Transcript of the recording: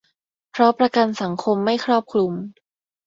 เพราะประกันสังคมไม่ครอบคลุม